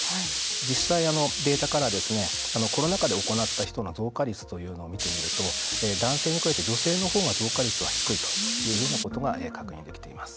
実際、データからはコロナ禍で行った人の増加率というのを見ていると男性に比べて女性の方が増加率は低いというようなことが見えててきています。